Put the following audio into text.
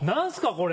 これ。